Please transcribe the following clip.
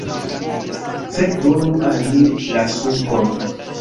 Fek' donu al mi la sukon